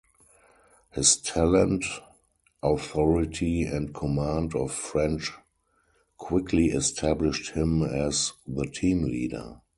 His talent, authority, and command of French quickly established him as the team leader.